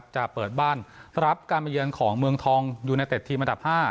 จะเปิดบ้านรับการมาเยือนของเมืองทองยูไนเต็ดทีมอันดับ๕